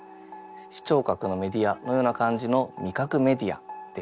視聴覚のメディアのような感じの味覚メディアです。